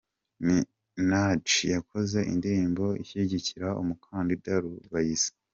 Minaji yakoze indirimbo ishyigikira umukandida Rubayiza